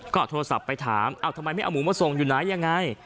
ก็โทรศัพท์ไปถามทำไมไม่เอาหมูมาส่งอยู่ไหนยังไง